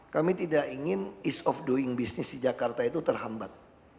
kami tidak ingin ease of doing business di jakarta itu terhambat